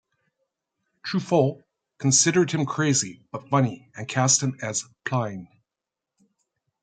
Truffaut considered him crazy, but funny, and cast him as Plyne.